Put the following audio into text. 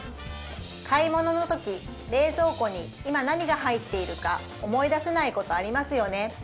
買い物のとき冷蔵庫に今何が入っているか思い出せないことありますよね